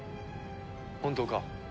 本当か！？